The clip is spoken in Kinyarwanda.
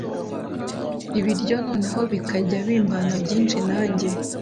ibiryo noneho bikajya bimbana byinshi nanjye